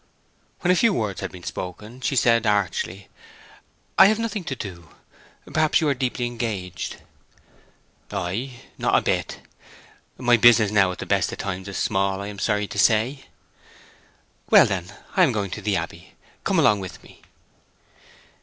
When a few words had been spoken, she said, archly, "I have nothing to do. Perhaps you are deeply engaged?" "I? Not a bit. My business now at the best of times is small, I am sorry to say." "Well, then, I am going into the Abbey. Come along with me."